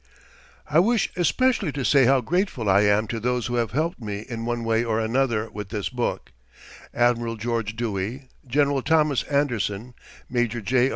I wish especially to say how grateful I am to those who have helped me in one way or another, with this book: Admiral George Dewey, General Thomas Anderson, Major J.